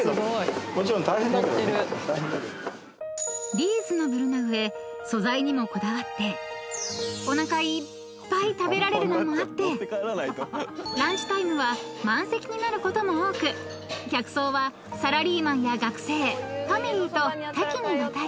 ［リーズナブルな上素材にもこだわっておなかいっぱい食べられるのもあってランチタイムは満席になることも多く客層はサラリーマンや学生ファミリーと多岐にわたり］